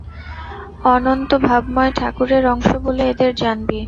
অনন্ত-ভাবময় ঠাকুরের অংশ বলে এদের জানবি।